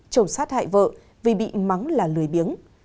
chồng sát hại vợ vì bị mắng là lưới biếng